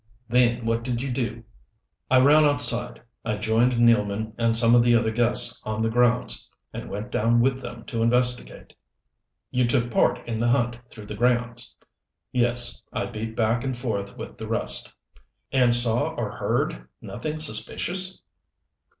"Then what did you do?" "I ran outside. I joined Nealman and some of the other guests on the grounds, and went down with them to investigate." "You took part in the hunt through the grounds?" "Yes. I beat back and forth with the rest." "And saw or heard nothing suspicious?"